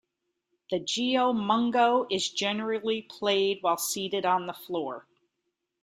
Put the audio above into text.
The "geomungo" is generally played while seated on the floor.